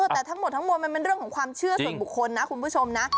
แต่ทั้งหมดทั้งมวลมันเป็นเรื่องของความเชื่อส่วนบุคคลนะคุณผู้ชมนะ